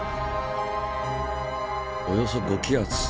およそ５気圧。